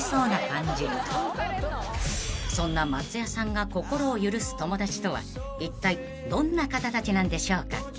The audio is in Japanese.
［そんな松也さんが心を許す友達とはいったいどんな方たちなんでしょうか］